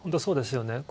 そうですよね。